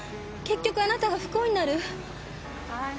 結局あなたが不幸になる。